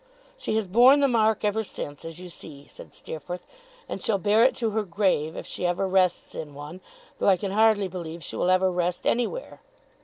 'She has borne the mark ever since, as you see,' said Steerforth; 'and she'll bear it to her grave, if she ever rests in one though I can hardly believe she will ever rest anywhere.